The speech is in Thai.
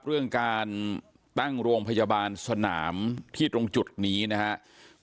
เรื่องการตั้งโรงพยาบาลสนามที่ตรงจุดนี้นะครับ